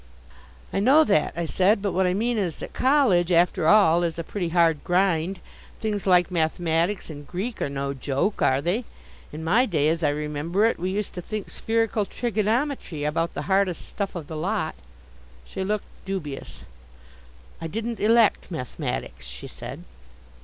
"I know that," I said, "but what I mean is that college, after all, is a pretty hard grind. Things like mathematics and Greek are no joke, are they? In my day, as I remember it, we used to think spherical trigonometry about the hardest stuff of the lot." She looked dubious. "I didn't elect mathematics," she said.